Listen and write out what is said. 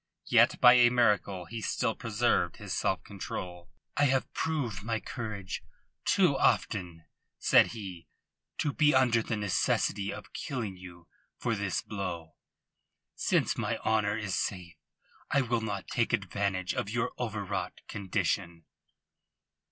Yet by a miracle he still preserved his self control. "I have proved my courage too often," he said, "to be under the necessity of killing you for this blow. Since my honour is safe I will not take advantage of your overwrought condition."